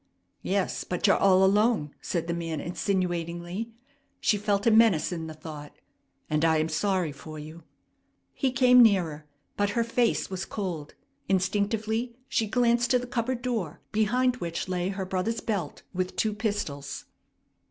"Yes, but you're all alone," said the man insinuatingly; she felt a menace in the thought, "and I am sorry for you!" He came nearer, but her face was cold. Instinctively she glanced to the cupboard door behind which lay her brother's belt with two pistols.